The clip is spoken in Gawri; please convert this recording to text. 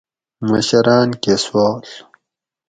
مشراٞن کۤٞہ سوال